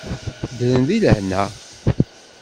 Ddren deg lehna.